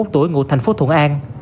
ba mươi một tuổi ngụ thành phố thuận an